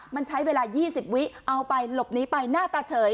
มันใช้เวลา๒๐วิเอาไปหลบหนีไปหน้าตาเฉย